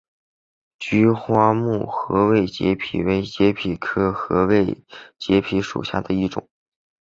菊花木合位节蜱为节蜱科合位节蜱属下的一个种。